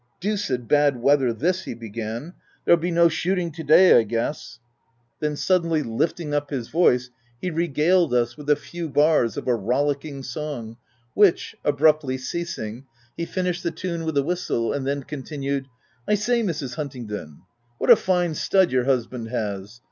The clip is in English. " Deuced bad weather this !" he began. 4i There'll be no shooting to day, I guess. " 254 THE TENANT Then, suddenly lifting up his voice, he regaled us with a few bars of a rollicking song, which abruptly ceasing, he finished the tune with a whistle, and then continued, —" I say Mrs. Hunt ingdon, what a fine stud your husband has